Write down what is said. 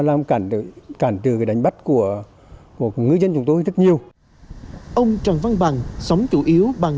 làm cản trở cản trừ đánh bắt của của ngư dân chúng tôi rất nhiều ông trần văn bằng sống chủ yếu bằng